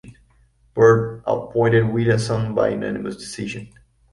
Byrd outpointed Williamson by unanimous decision.